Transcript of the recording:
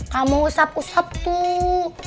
kamu usap usap tuh